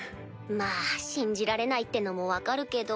まぁ信じられないってのも分かるけど。